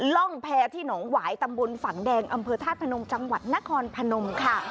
ร่องแพรที่หนองหวายตำบลฝั่งแดงอำเภอธาตุพนมจังหวัดนครพนมค่ะ